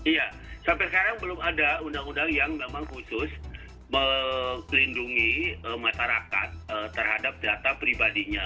iya sampai sekarang belum ada undang undang yang memang khusus melindungi masyarakat terhadap data pribadinya